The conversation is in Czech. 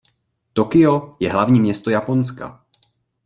Tokio je hlavní město Japonska.